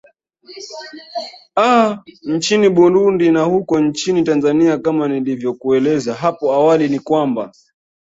aa nchini burundi na huko nchini tanzania kama nilivyokueleza hapo awali ni kwamba